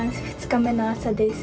２日目の朝です